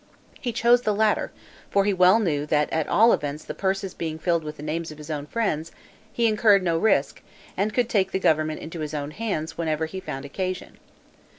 He chose the latter; for he well knew that at all events the purses being filled with the names of his own friends, he incurred no risk, and could take the government into his own hands whenever he found occasion.